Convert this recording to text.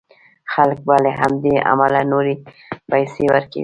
خلک به له همدې امله نورې پيسې ورکوي.